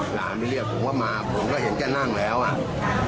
หลานไปเรียกผมว่ามาผมก็เห็นแกนั่งแล้วอ่ะ